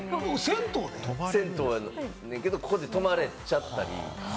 銭湯やねんけど、ここで泊まれちゃったり。